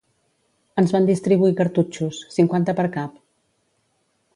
Ens van distribuir cartutxos, cinquanta per cap